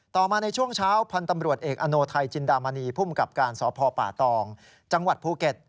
มาในช่วงเช้าพันธ์ตำรวจเอกอโนไทยจินดามณีภูมิกับการสพป่าตองจังหวัดภูเก็ต